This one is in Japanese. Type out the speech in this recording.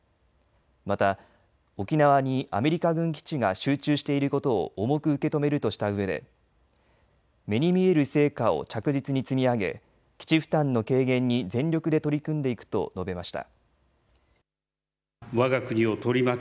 また沖縄にアメリカ軍基地が集中していることを重く受け止めるとしたうえで目に見える成果を着実に積み上げ基地負担の軽減に全力で取り組んでいくと述べました。